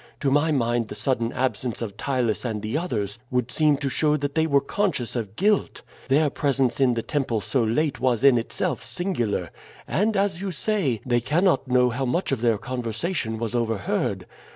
To my mind the sudden absence of Ptylus and the others would seem to show that they were conscious of guilt. Their presence in the temple so late was in itself singular; and, as you say, they cannot know how much of their conversation was overheard.